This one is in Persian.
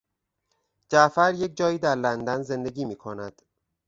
جعفر یک جایی در لندن زندگی میکند.